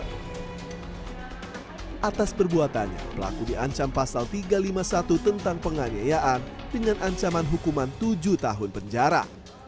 hai atas perbuatannya pelaku diancam pasal tiga ratus lima puluh satu tentang penganyayaan dengan ancaman hukuman tujuh tahun penjara